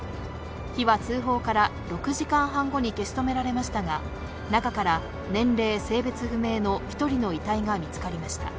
火は通報から６時間半後に消し止められましたが、中から年齢、性別不明の１人の遺体が見つかりました。